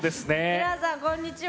皆さん、こんにちは。